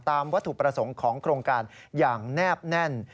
วัตถุประสงค์ของโครงการอย่างแนบแน่น